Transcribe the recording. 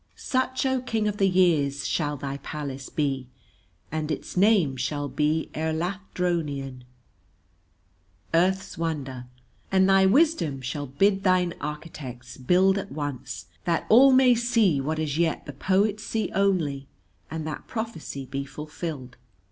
"Such, O King of the Years, shall thy palace be, and its name shall be Erlathdronion, Earth's Wonder; and thy wisdom shall bid thine architects build at once, that all may see what as yet the poets see only, and that prophecy be fulfilled."